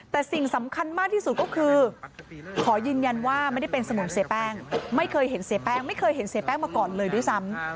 แต่สิ่งสำคัญมากที่สุดก็คือขอยืนยันว่าไม่ได้เป็นสมุนเสียแป้งไม่เคยเห็นเสียแป้งไม่เคยเห็นเสียแป้งมาก่อนเลยด้วยซ้ำ